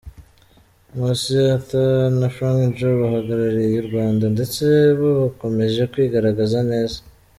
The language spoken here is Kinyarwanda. Nkusi Arthur na Frank Joe bahagarariye u Rwanda ndetse bo bakomeje kwigaragaza neza.